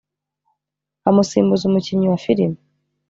amusimbuza umukinnyi wa filime